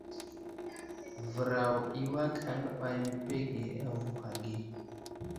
Vəraw i awak aləɓay məpege avohw age.